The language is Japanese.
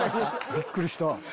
びっくりした。